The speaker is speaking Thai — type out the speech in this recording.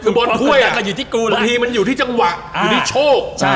คือบนถ้วยก็อยู่ที่มันอยู่ที่จังหวะอยู่ที่โชค